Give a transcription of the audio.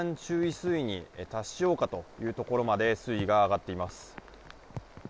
水位に達しようかというところまで水位が上がっています。